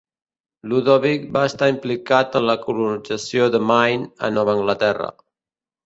Ludovic va estar implicat en la colonització de Maine a Nova Anglaterra.